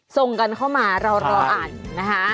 ส่งกันเข้ามาเรารออ่านนะคะ